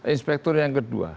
inspektor yang kedua